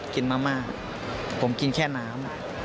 กินมากผมกินแค่น้ำ